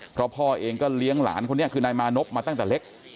เพราะพ่อเองก็เลี้ยงหลานคนนี้คือนายมานพมาตั้งแต่เล็ก